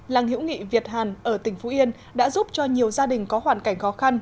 làng hiễu nghị việt hàn ở tỉnh phú yên đã giúp cho nhiều gia đình có hoàn cảnh khó khăn